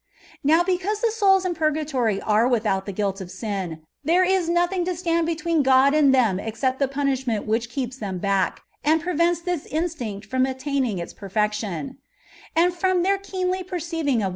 Now because the souls in purgatory are without the guilt of sin, there is nothing to stand between God and them except the punishment which keeps them back, and prevents this instinct from attaining its perfection ; and from their keenly perceiying of 6 A TREATI8E ON PURGATORY.